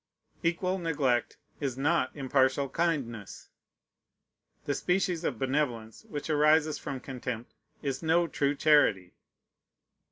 Equal neglect is not impartial kindness. The species of benevolence which arises from contempt is no true charity.